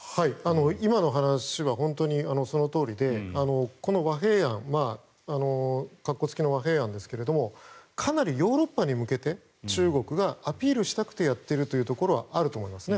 今の話は本当にそのとおりでこの和平案括弧付きの和平案ですがかなりヨーロッパに向けて中国がアピールしたくてやってるところはあると思いますね。